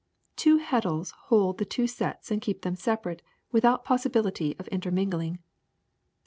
Two heddles hold the two sets and keep them separate without possibility of intermingling.